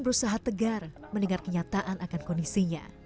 berusaha tegar mendengar kenyataan akan kondisinya